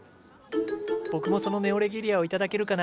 僕もそのネオレゲリアを頂けるかな。